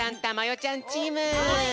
ちゃんチーム！